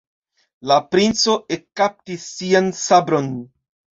La princo ekkaptis sian sabron.